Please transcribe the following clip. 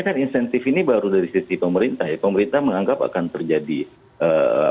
kan insentif ini baru dari sisi pemerintah